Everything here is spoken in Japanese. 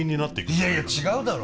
いやいや違うだろ！